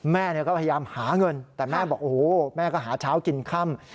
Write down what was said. แม่ก็พยายามหาเงินแต่แม่บอกโอ้โหแม่ก็หาเช้ากินค่ำ